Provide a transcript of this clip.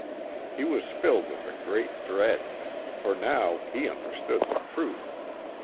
He was filled with a great dread, for now he understood the truth.